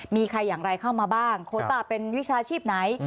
มีใครอย่างไรเข้ามาบ้างโคต้าเป็นวิชาชีพไหน